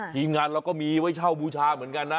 ทีมงานเราก็มีไว้เช่าบูชาเหมือนกันนะ